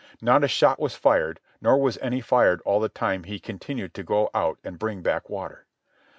Not a shot was fired, nor was any fired all the time he continued to go out and bring back water.